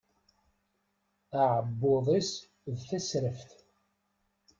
Aɛebbuḍ-is d tasraft.